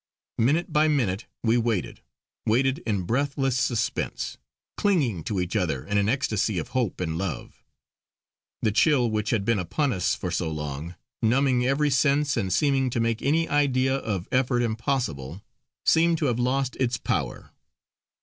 Minute by minute we waited, waited in breathless suspense; clinging to each other in an ecstasy of hope and love. The chill which had been upon us for so long, numbing every sense and seeming to make any idea of effort impossible, seemed to have lost its power.